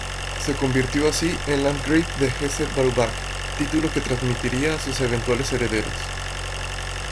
Se convirtió así en landgrave de Hesse-Braubach, título que transmitiría a sus eventuales herederos.